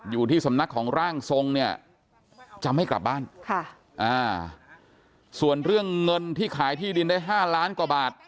อยู่ที่สำนักของร่างทรงเนี่ยจะไม่กลับบ้านส่วนเรื่องเงินที่ขายที่ดินได้๕ล้านกว่าบาท